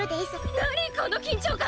なにこの緊張感！